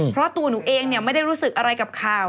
เพราะตัวหนูเองไม่ได้รู้สึกอะไรกับข่าว